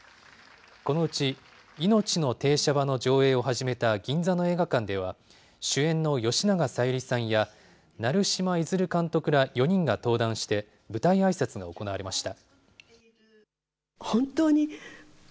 このうちいのちの停車場の上映を始めた銀座の映画館では、主演の吉永小百合さんや、成島出監督ら４人が登壇して、舞台あいさつが行われました。